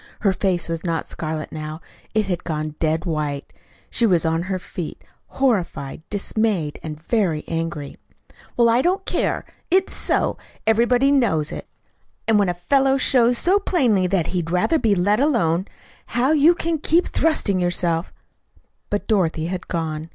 Her face was not scarlet now. It had gone dead white. She was on her feet, horrified, dismayed, and very angry. "Well, I don't care. It's so. Everybody knows it. And when a fellow shows so plainly that he'd rather be let alone, how you can keep thrusting yourself " But Dorothy had gone.